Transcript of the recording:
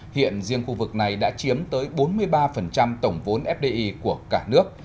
hiện riêng khu vực này đã chiếm tới bốn mươi ba tổng vốn fdi của cả nước